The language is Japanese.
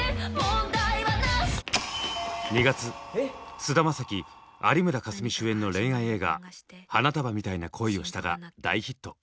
菅田将暉有村架純主演の恋愛映画「花束みたいな恋をした」が大ヒット。